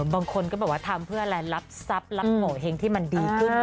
บางคนก็บอกว่าทำเพื่ออะไรรับทรัพย์รับโงเห้งที่มันดีขึ้น